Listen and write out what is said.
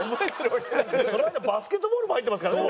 そのあとバスケットボールも入ってますからね。